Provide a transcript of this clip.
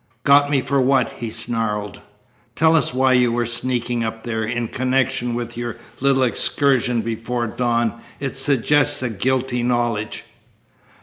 "Got me for what?" he snarled. "Tell us why you were sneaking up there. In connection with your little excursion before dawn it suggests a guilty knowledge."